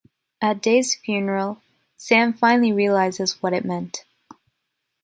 At Dave's funeral, Sam finally realizes what it meant.